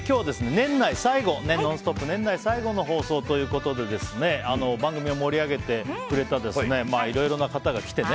年内最後の放送ということで番組を盛り上げてくれたいろいろな方が来てね。